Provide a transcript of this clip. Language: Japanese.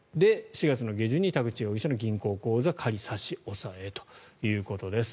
４月下旬に田口容疑者の銀行口座仮差し押さえということです。